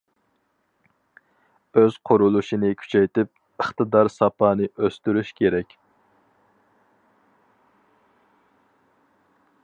ئۆز قۇرۇلۇشىنى كۈچەيتىپ، ئىقتىدار- ساپانى ئۆستۈرۈش كېرەك.